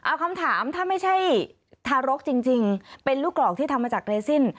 เอาคำถามถ้าไม่ใช่ทารกจริงเป็นลูกกรอกที่ทำมาจากเรซิน